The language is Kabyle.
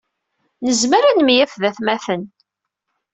Nezmer ad nemyaf d atmaten.